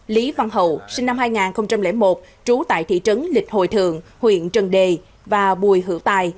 lý văn hậu sinh năm hai nghìn một trú tại thị trấn lịch hội thượng huyện trần đề và bùi hữu tài